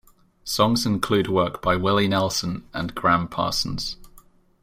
Songs include work by Willie Nelson and Gram Parsons.